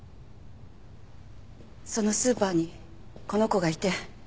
そのスーパーにこの子がいて。